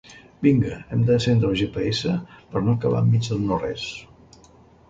Vinga, hem d'encendre el GPS per no acabar en mig del no-res.